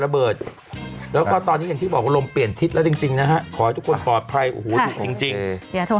แล้วก็ตอนนี้อย่างที่บอกว่ารมเปลี่ยนทิศแล้วจริงนะฮะขอให้ทุกคนปลอดภัยนะฮะ